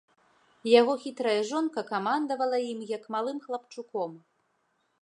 Яго хітрая жонка камандавала ім, як малым хлапчуком.